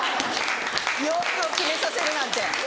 洋服を決めさせるなんて。